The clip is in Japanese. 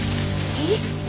えっ？